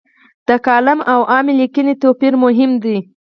د کالم او عامې لیکنې توپیر مهم دی.